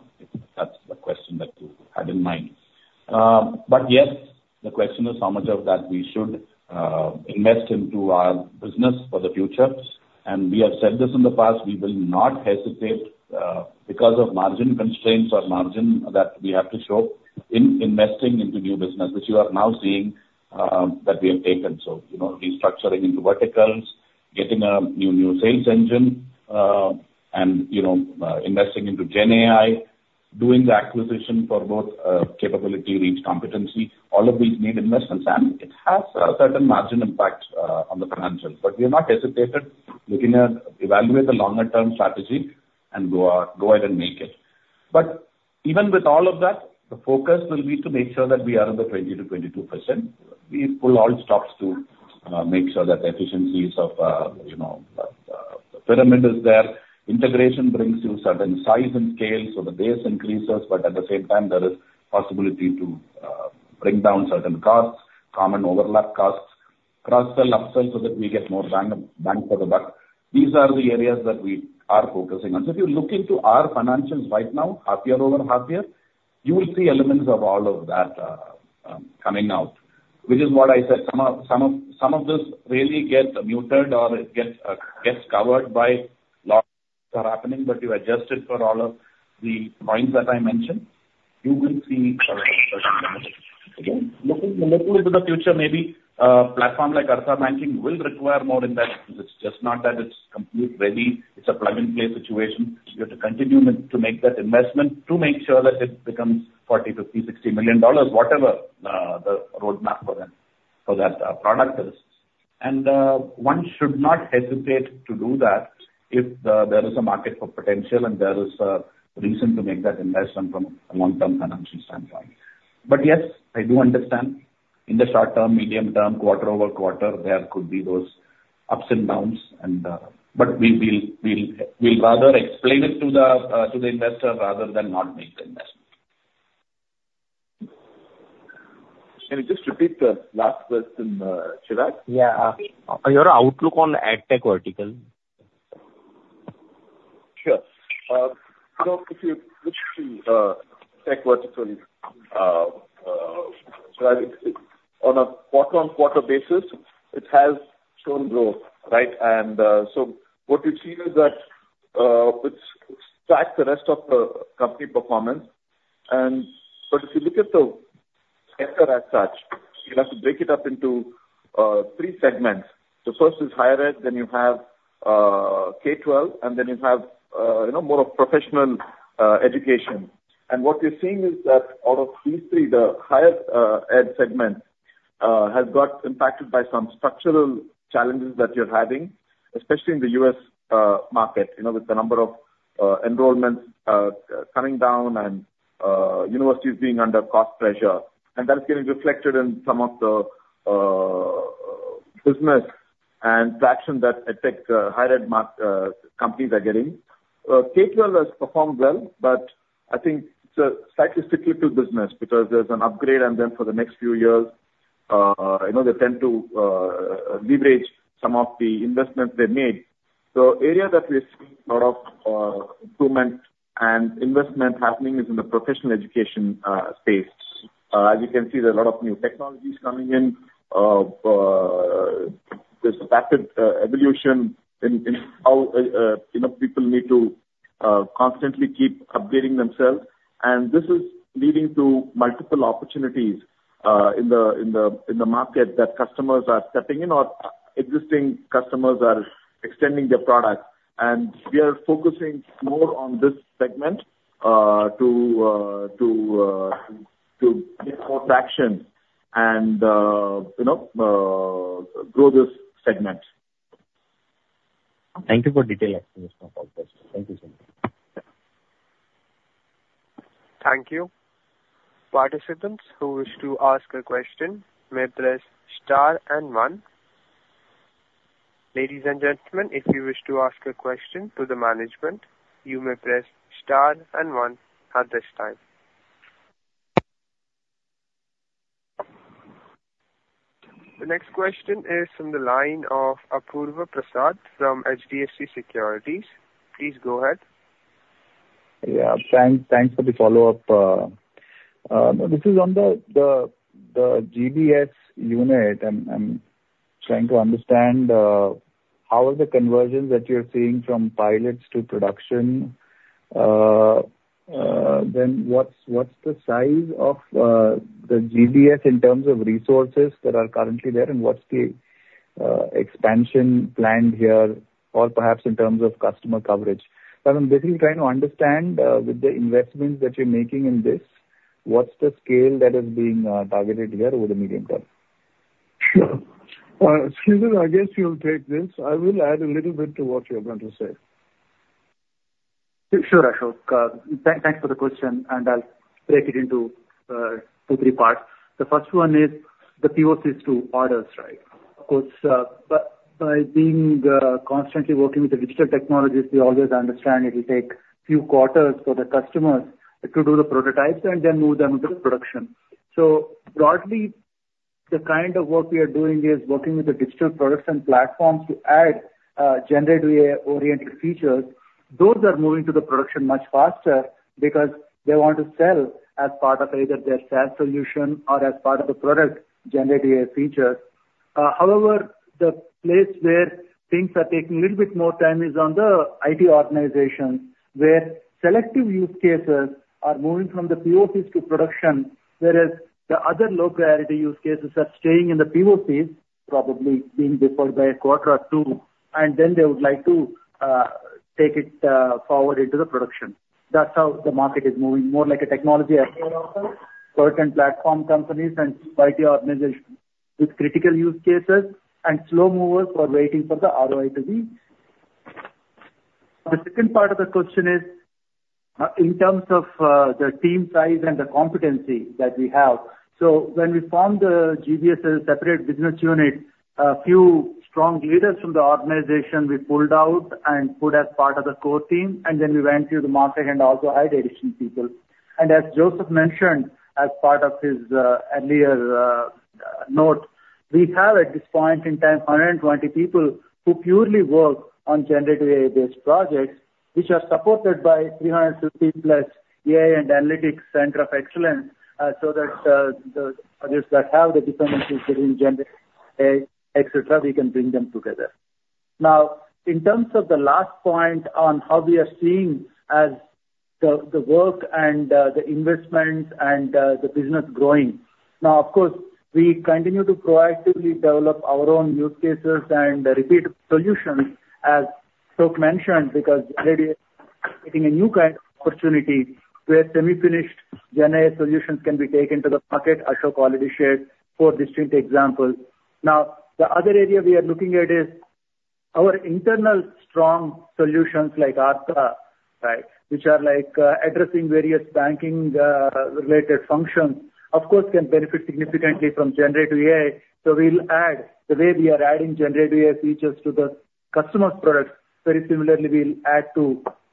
That's the question that you had in mind. But yes, the question is how much of that we should invest into our business for the future. And we have said this in the past, we will not hesitate because of margin constraints or margin that we have to show in investing into new business, which you are now seeing that we have taken. So restructuring into verticals, getting a new sales engine, and investing into Gen AI, doing the acquisition for both capability reach competency. All of these need investments, and it has a certain margin impact on the financials, but we are not hesitant. Looking to evaluate the longer-term strategy and go ahead and make it, but even with all of that, the focus will be to make sure that we are in the 20%-22%. We pool all stocks to make sure that the efficiencies of the pyramid is there. Integration brings you certain size and scale so the base increases, but at the same time, there is possibility to bring down certain costs, common overlap costs, cross-sell, upsell so that we get more bang for the buck. These are the areas that we are focusing on, so if you look into our financials right now, half-year over half-year, you will see elements of all of that coming out, which is what I said. Some of this really gets muted or gets covered by lots of things that are happening, but you adjust it for all of the points that I mentioned. You will see certain benefits. Again, looking a little into the future, maybe a platform like Arttha will require more investments. It's just not that it's completely ready. It's a plug-and-play situation. You have to continue to make that investment to make sure that it becomes $40 million, $50 million, $60 million, whatever the roadmap for that product is. And one should not hesitate to do that if there is a market potential and there is a reason to make that investment from a long-term financial standpoint. But yes, I do understand in the short term, medium term, quarter over quarter, there could be those ups and downs. But we'll rather explain it to the investor rather than not make the investment. Can you just repeat the last question, Chirag? Yeah. Your outlook on ed tech verticals? Sure. So if you look at the tech vertical, on a quarter-on-quarter basis, it has shown growth, right? And so what we've seen is that it's tracked the rest of the company performance. But if you look at the sector as such, you have to break it up into three segments. The first is higher ed, then you have K-12, and then you have more of professional education. And what we're seeing is that out of these three, the higher ed segment has got impacted by some structural challenges that you're having, especially in the U.S. market with the number of enrollments coming down and universities being under cost pressure. And that's getting reflected in some of the business and traction that higher ed companies are getting. K-12 has performed well, but I think it's a slightly cyclical business because there's an upgrade, and then for the next few years, they tend to leverage some of the investments they've made. The area that we're seeing a lot of improvement and investment happening is in the professional education space. As you can see, there are a lot of new technologies coming in. There's rapid evolution in how people need to constantly keep updating themselves. And this is leading to multiple opportunities in the market that customers are stepping in or existing customers are extending their products. And we are focusing more on this segment to get more traction and grow this segment. Thank you for detailed explanation of all this. Thank you so much. Thank you. Participants who wish to ask a question may press star and one. Ladies and gentlemen, if you wish to ask a question to the management, you may press star and one at this time. The next question is from the line of Apurva Prasad from HDFC Securities. Please go ahead. Yeah. Thanks for the follow-up. This is on the GBS unit. I'm trying to understand how are the conversions that you're seeing from pilots to production. Then what's the size of the GBS in terms of resources that are currently there, and what's the expansion planned here, or perhaps in terms of customer coverage? I'm basically trying to understand with the investments that you're making in this, what's the scale that is being targeted here over the medium term? Sure. Sridhar, I guess you'll take this. I will add a little bit to what you're going to say. Sure, Ashok. Thanks for the question, and I'll break it into two, three parts. The first one is the POCs to orders, right? Of course, by being constantly working with the digital technologies, we always understand it will take a few quarters for the customers to do the prototypes and then move them into production. So broadly, the kind of work we are doing is working with the digital products and platforms to add generative-oriented features. Those are moving to the production much faster because they want to sell as part of either their SaaS solution or as part of the product generative features. However, the place where things are taking a little bit more time is on the IT organizations where selective use cases are moving from the POCs to production, whereas the other low-priority use cases are staying in the POCs, probably being deferred by a quarter or two, and then they would like to take it forward into the production. That's how the market is moving, more like a technology as well. Certain platform companies and IT organizations with critical use cases and slow movers for waiting for the ROI to be. The second part of the question is in terms of the team size and the competency that we have. When we formed the GBS as a separate business unit, a few strong leaders from the organization we pulled out and put as part of the core team, and then we went through the market and also hired additional people. And as Joseph mentioned as part of his earlier note, we have at this point in time 120 people who purely work on generative-based projects, which are supported by 350+ AI and analytics centers of excellence so that the projects that have the dependencies within generative-based AI, etc., we can bring them together. Now, in terms of the last point on how we are seeing the work and the investments and the business growing. Now, of course, we continue to proactively develop our own use cases and repeat solutions, as Ashok mentioned, because we're getting a new kind of opportunity where semi-finished Gen AI solutions can be taken to the market. Ashok already shared four distinct examples. Now, the other area we are looking at is our internal strong solutions like Arttha, right, which are addressing various banking-related functions. Of course, they can benefit significantly from Generative AI. So we'll add the way we are adding Generative AI features to the customer's products. Very similarly, we'll add to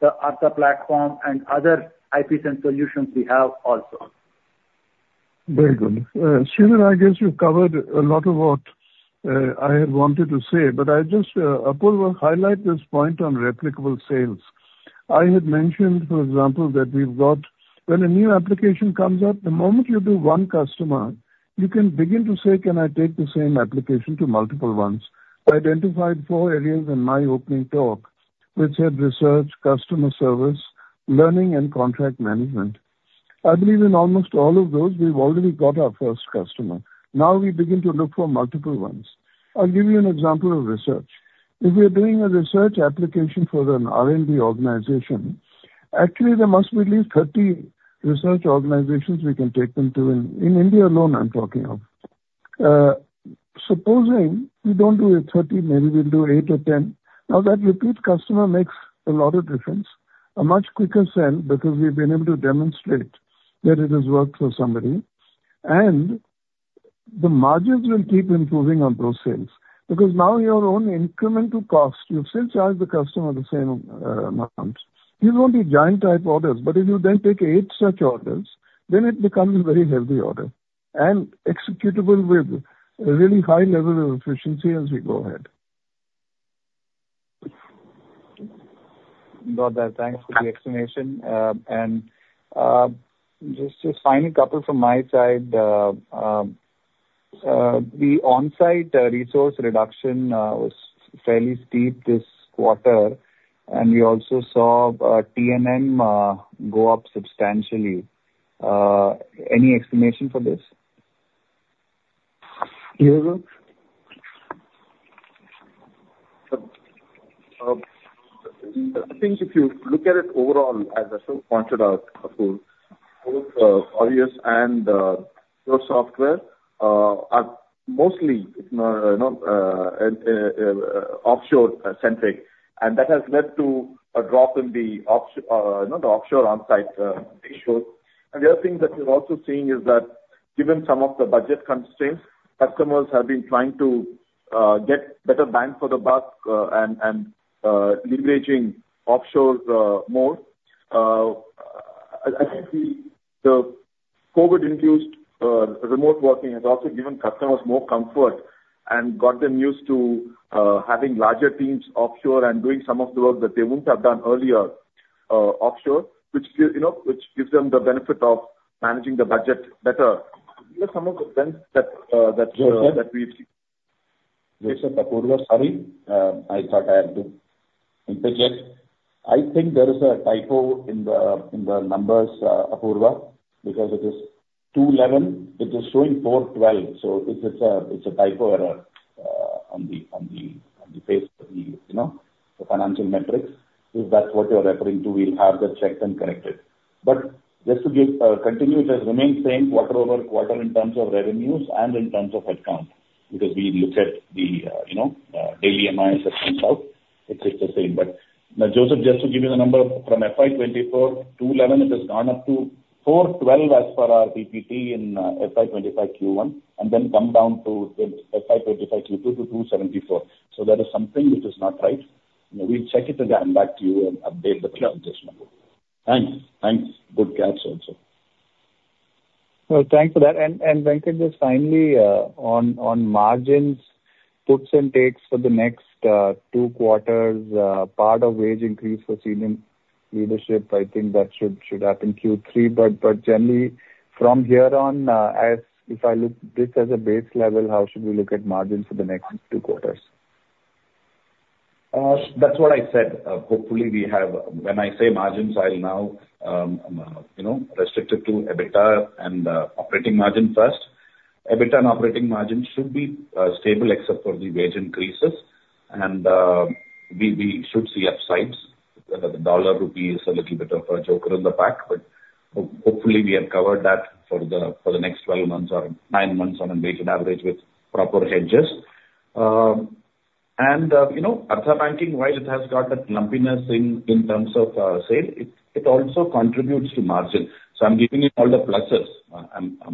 the Arttha platform and other IPS and solutions we have also. Very good. Sridhar, I guess you've covered a lot of what I had wanted to say, but I just, Apurva, highlight this point on replicable sales. I had mentioned, for example, that we've got when a new application comes up, the moment you do one customer, you can begin to say, "Can I take the same application to multiple ones?" I identified four areas in my opening talk, which had research, customer service, learning, and contract management. I believe in almost all of those, we've already got our first customer. Now we begin to look for multiple ones. I'll give you an example of research. If we're doing a research application for an R&D organization, actually, there must be at least 30 research organizations we can take them to. In India alone, I'm talking of. Supposing we don't do 30, maybe we'll do eight or 10. Now, that repeat customer makes a lot of difference, a much quicker sale because we've been able to demonstrate that it has worked for somebody. And the margins will keep improving on those sales because now your own incremental cost, you've still charged the customer the same amount. These won't be giant-type orders, but if you then take eight such orders, then it becomes a very healthy order and executable with a really high level of efficiency as we go ahead. Thanks for the explanation. And just finally, a couple from my side. The on-site resource reduction was fairly steep this quarter, and we also saw T&M go up substantially. Any explanation for this? Yes, sir. I think if you look at it overall, as Ashok pointed out, of course, both Aureus and PureSoftware are mostly offshore-centric, and that has led to a drop in the offshore on-site ratio. And the other thing that we're also seeing is that given some of the budget constraints, customers have been trying to get better bang for the buck and leveraging offshore more. I think the COVID-induced remote working has also given customers more comfort and got them used to having larger teams offshore and doing some of the work that they wouldn't have done earlier offshore, which gives them the benefit of managing the budget better. These are some of the trends that we've seen. Yes, sir. Apurva, sorry. I thought I had to interject. I think there is a typo in the numbers, Apurva, because it is 211. It is showing 412. So it's a typo error on the face of the financial metrics. If that's what you're referring to, we'll have that checked and corrected. But just to continue, it has remained the same quarter over quarter in terms of revenues and in terms of headcount because we looked at the daily MIS and stuff. It's the same. But Joseph, just to give you the number, from FY 2024, 211, it has gone up to 412 as per our PPT in FY 2025 Q1, and then come down to FY 2025 Q2 to 274. So that is something which is not right. We'll check it again back to you and update the presentation. Thanks. Thanks. Good catch also. Well, thanks for that. And Venkat just finally, on margins, puts and takes for the next two quarters, part of wage increase for senior leadership. I think that should happen Q3. But generally, from here on, if I look at this as a base level, how should we look at margins for the next two quarters? That's what I said. Hopefully, we have when I say margins, I'll now restrict it to EBITDA and operating margin first. EBITDA and operating margin should be stable except for the wage increases, and we should see upsides. The dollar rupee is a little bit of a joker in the pack, but hopefully, we have covered that for the next 12 months or 9 months on average with proper hedges, and Arttha Banking, while it has got that lumpiness in terms of sale, it also contributes to margin, so I'm giving you all the pluses,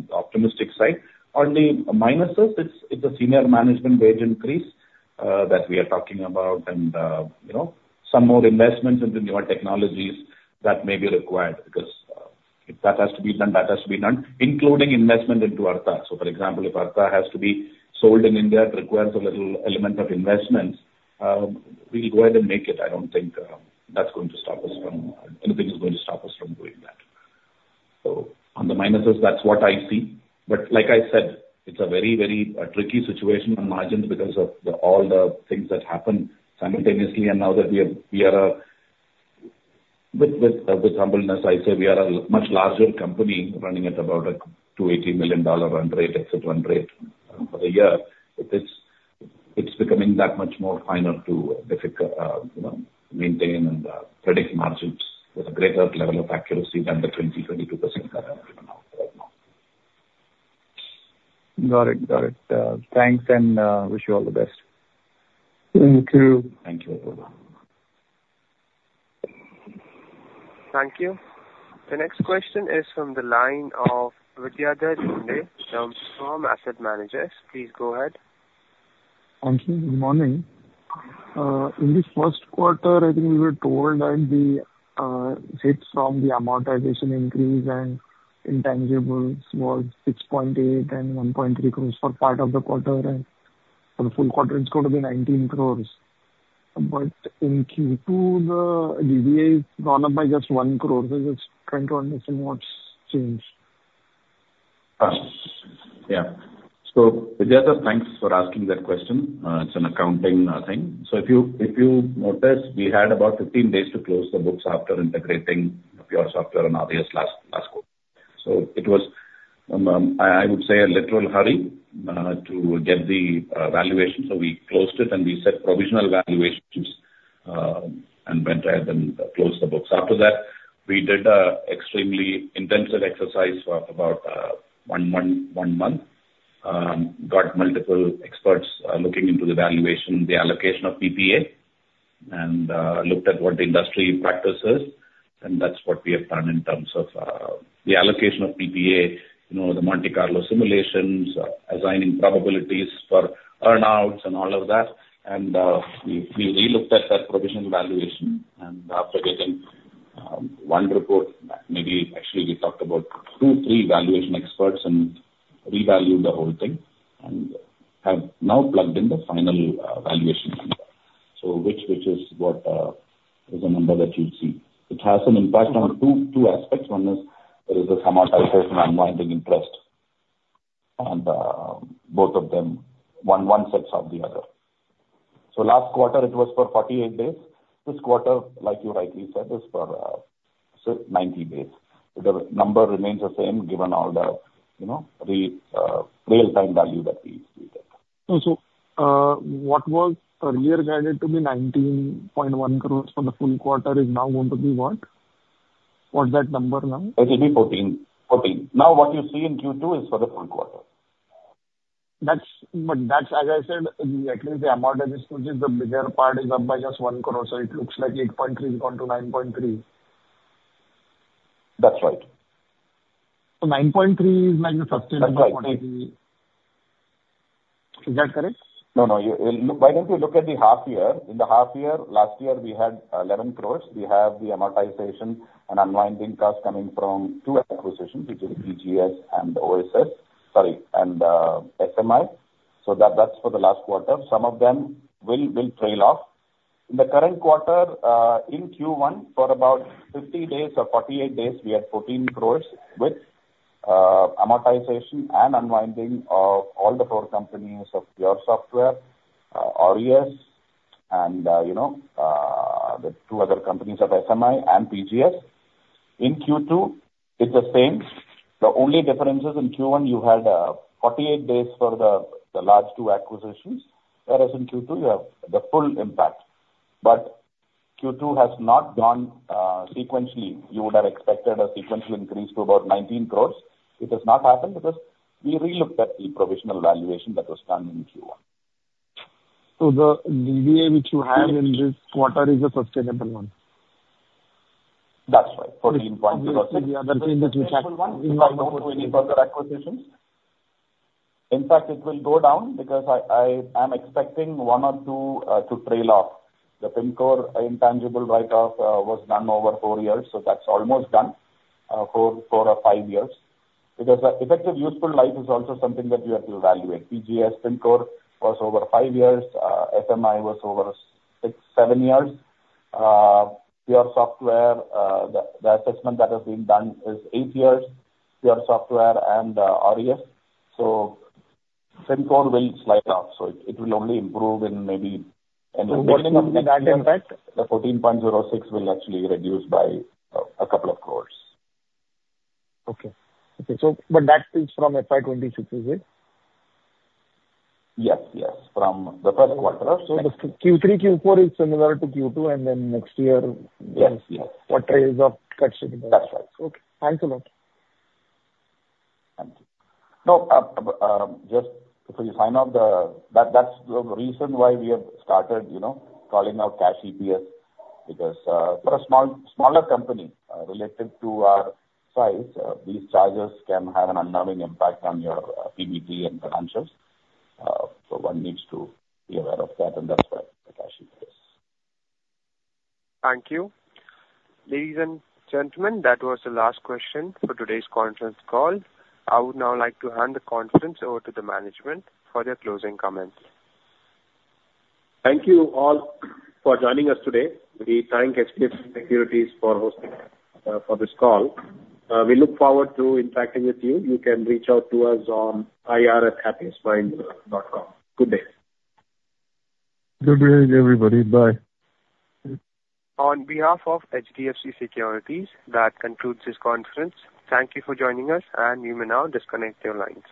the optimistic side. On the minuses, it's a senior management wage increase that we are talking about and some more investments into newer technologies that may be required because if that has to be done, that has to be done, including investment into Arttha. So for example, if Arttha has to be sold in India, it requires a little element of investments. We'll go ahead and make it. I don't think that's going to stop us from anything is going to stop us from doing that. So on the minuses, that's what I see. But like I said, it's a very, very tricky situation on margins because of all the things that happen simultaneously. And now that we are with humbleness, I say we are a much larger company running at about a $280 million run rate, etc., run rate for the year. It's becoming that much more finer to maintain and predict margins with a greater level of accuracy than the 20%-22% that I'm giving out right now. Got it. Got it. Thanks, and wish you all the best. Thank you. Thank you, Apurva. Thank you. The next question is from the line of Vidyadhar Ginde from Bank of India Investment Managers. Please go ahead. Thank you. Good morning. In this first quarter, I think we were told that the hits from the amortization increase and intangibles were 6.8 crores and 1.3 crores for part of the quarter. And for the full quarter, it's going to be 19 crores. But in Q2, the EBITDA has gone up by just 1 crore. So just trying to understand what's changed. Yeah. So Vidyadhar, thanks for asking that question. It's an accounting thing. So if you noticed, we had about 15 days to close the books after integrating PureSoftware and OSS last quarter. So it was, I would say, a literal hurry to get the valuation. So we closed it, and we set provisional valuations and went ahead and closed the books. After that, we did an extremely intensive exercise for about one month, got multiple experts looking into the valuation, the allocation of PPA, and looked at what the industry practice is. And that's what we have done in terms of the allocation of PPA, the Monte Carlo simulations, assigning probabilities for earnouts and all of that. And we relooked at that provisional valuation. And after getting one report, maybe actually we talked about two, three valuation experts and revalued the whole thing and have now plugged in the final valuation number, which is what is the number that you see. It has an impact on two aspects. One is there is an amortization and one is an interest. And both of them, one offsets the other. So last quarter, it was for 48 days. This quarter, like you rightly said, is for 90 days. The number remains the same given all the real-time value that we get. So what was earlier guided to be 19.1 crores for the full quarter is now going to be what? What's that number now? It will be 14. Now, what you see in Q2 is for the full quarter. But as I said, at least the amortization, which is the bigger part, is up by just one crore. So it looks like 8.3 has gone to 9.3. That's right. So 9.3 is like the sustainable quarter. Is that correct? No, no. Why don't you look at the half year? In the half year, last year, we had 11 crores. We have the amortization and unwinding costs coming from two acquisitions, which are PGS and OSS, sorry, and SMI. So that's for the last quarter. Some of them will trail off. In the current quarter, in Q1, for about 50 days or 48 days, we had 14 crores with amortization and unwinding of all the four companies of PureSoftware, OSS, and the two other companies of SMI and PGS. In Q2, it's the same. The only difference is in Q1, you had 48 days for the large two acquisitions, whereas in Q2, you have the full impact. But Q2 has not gone sequentially. You would have expected a sequential increase to about 19 crores. It has not happened because we relooked at the provisional valuation that was done in Q1. So the EBITDA, which you have in this quarter, is a sustainable one. That's right. 14.06. The other thing that we have in light of the 2024 acquisitions. In fact, it will go down because I am expecting one or two to trail off. The Pimcore intangible write-off was done over four years, so that's almost done for four or five years because effective useful life is also something that we have to evaluate. PGS, Pimcore was over five years. SMI was over six, seven years. PureSoftware, the assessment that has been done is eight years, PureSoftware and OSS. So Pimcore will slide off. So it will only improve in maybe Any way that it affects? The 14.06 will actually reduce by a couple of crores. Okay. Okay. But that is from FY 2026, is it? Yes, yes. From the first quarter. So Q3, Q4 is similar to Q2, and then next year, what tail of costs should be? That's right. Okay. Thanks a lot. Thank you. No, just before you sign off, that's the reason why we have started calling out cash EPS because for a smaller company related to our size, these charges can have an unnerving impact on your PBT and financials. So one needs to be aware of that, and that's why the cash EPS. Thank you. Ladies and gentlemen, that was the last question for today's conference call. I would now like to hand the conference over to the management for their closing comments. Thank you all for joining us today. We thank HDFC Securities for hosting for this call. We look forward to interacting with you. You can reach out to us on ir@happiestminds.com. Good day. Good day, everybody. Bye. On behalf of HDFC Securities, that concludes this conference. Thank you for joining us, and you may now disconnect your lines.